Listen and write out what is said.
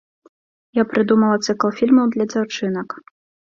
Я прыдумала цыкл фільмаў для дзяўчынак.